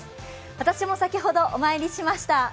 私も先ほどお参りしました。